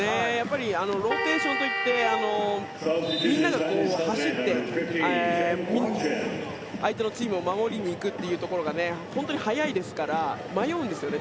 ローテーションといってみんなが走って相手のチームを守りにいくというところが本当に速いですから迷うんですよね